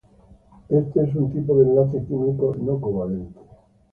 Éste es un tipo de enlace químico no covalente.